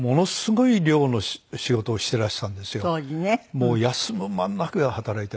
もう休む間もなく働いてらした。